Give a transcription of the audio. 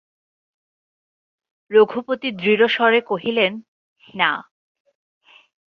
রঘুপতি দৃঢ়স্বরে কহিলেন, না।